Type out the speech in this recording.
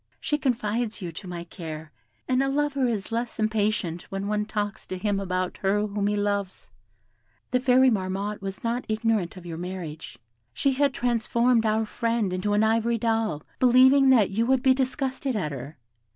She confides you to my care, and a lover is less impatient when one talks to him about her whom he loves. The fairy Marmotte was not ignorant of your marriage; she had transformed our friend into an ivory doll, believing that you would be disgusted at her.